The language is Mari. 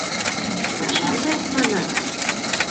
— Пашазе, манат?